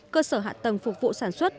cơ sở hạ tầng phục vụ sản xuất